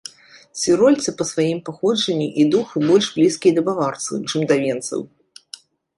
Цірольцы па сваім паходжанні і духу больш блізкія да баварцаў, чым да венцаў.